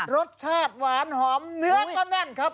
รสชาติหวานหอมเนื้อก็แน่นครับ